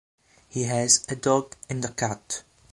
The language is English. He has a dog and a cat.